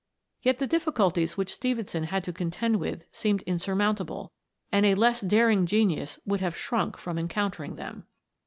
Yet the difficulties which Stephenson had to contend with seemed insurmountable, and a less daring genius would have shrunk from en countering them.